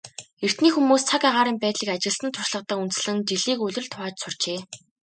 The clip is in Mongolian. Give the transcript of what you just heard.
Эртний хүмүүс цаг агаарын байдлыг ажигласан туршлагадаа үндэслэн жилийг улиралд хувааж сурчээ.